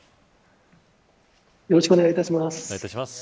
よろしくお願いします。